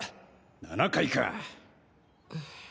７階か。